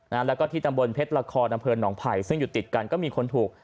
แล้วก็ที่ตำบลเพชรละครอำเภอหนองไผ่ซึ่งอยู่ติดกันก็มีคนถูก